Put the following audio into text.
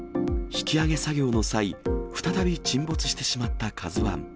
引き揚げ作業の際、再び沈没してしまったＫＡＺＵＩ。